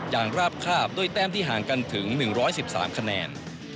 ราบคาบด้วยแต้มที่ห่างกันถึง๑๑๓คะแนน